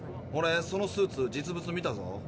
オレそのスーツ実物見たぞ。